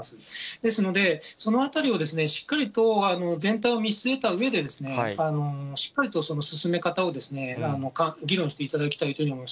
ですので、そのあたりをしっかりと全体を見据えたうえで、しっかりと進め方を議論していただきたいと思います。